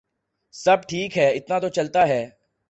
سب ٹھیک ہے ، اتنا تو چلتا ہے ۔